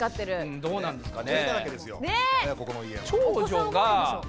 うんどうなんですかね？